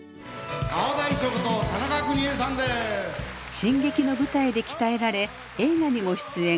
新劇の舞台で鍛えられ映画にも出演。